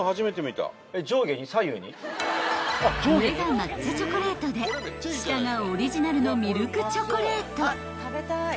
［上が抹茶チョコレートで下がオリジナルのミルクチョコレート］